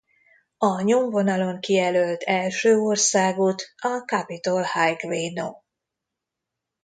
A nyomvonalon kijelölt első országút a Capitol Highway No.